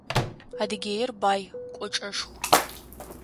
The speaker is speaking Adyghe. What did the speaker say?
Адыгеир бай, кӏочӏэшху.